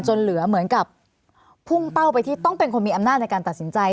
เหลือเหมือนกับพุ่งเป้าไปที่ต้องเป็นคนมีอำนาจในการตัดสินใจ